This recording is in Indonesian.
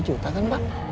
tujuh setengah juta kan pak